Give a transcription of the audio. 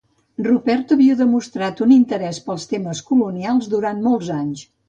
Rupert havia demostrat un interès pels temes colonials durant molts anys.